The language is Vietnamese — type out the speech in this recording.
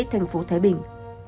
thành phố thái bình